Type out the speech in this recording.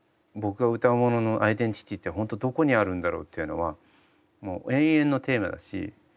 僕が歌うもののアイデンティティーってホントどこにあるんだろうっていうのはもう永遠のテーマだし。